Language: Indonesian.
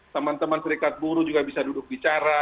teman teman serikat buru juga bisa duduk bicara